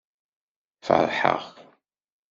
Feṛḥeɣ!